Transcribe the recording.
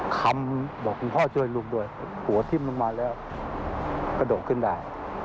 คำบอกคุณพ่อช่วยลูกด้วยหัวทิ้มลงมาแล้วกระโดดขึ้นได้